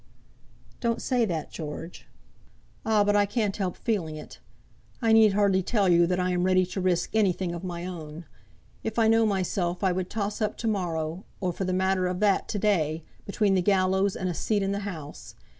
"Don't say that, George." "Ah, but I can't help feeling it. I need hardly tell you that I am ready to risk anything of my own. If I know myself I would toss up to morrow, or for the matter of that to day, between the gallows and a seat in the House.